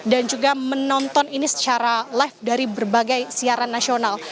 dan juga menonton ini secara live dari berbagai siaran nasional